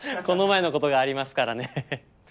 この前の事がありますからね。